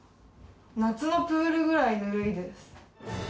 夏のプールぐらいぬるいです。